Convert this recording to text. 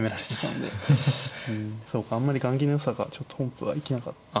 うんそうかあんまり雁木のよさがちょっと本譜は生きなかった。